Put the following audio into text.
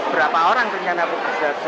berapa orang kemana mana sidoarjo